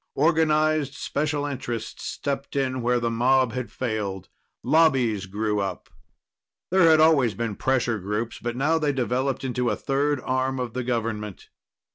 Organized special interests stepped in where the mob had failed. Lobbies grew up. There had always been pressure groups, but now they developed into a third arm of the government.